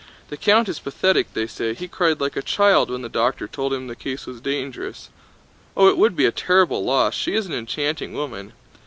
"The count is pathetic, they say. He cried like a child when the doctor told him the case was dangerous." "Oh, it would be a terrible loss, she is an enchanting woman."